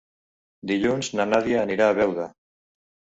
Dilluns na Nàdia anirà a Beuda.